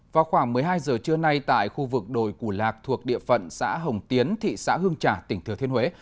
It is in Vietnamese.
vào khoảng một mươi hai giờ trưa nay tại khu vực đồi củ lạc thuộc địa phận xã hồng tiến thị xã hương trà tỉnh thừa thiên huế